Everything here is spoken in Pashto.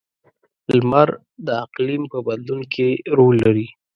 • لمر د اقلیم په بدلون کې رول لري.